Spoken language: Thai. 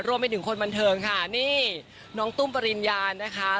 รวมไปถึงคนบันเทิงค่ะนี่น้องตุ้มปริญญานะคะ